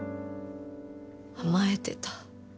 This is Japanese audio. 甘えてた